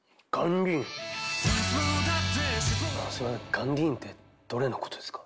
ガンディーンってどれのことですか？